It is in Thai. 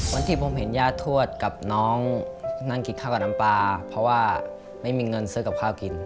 วันที่ผมเห็นญาติทวดกับน้องนั่งกินข้าวกับน้ำปลาเพราะว่าไม่มีเงินซื้อกับข้าวกิน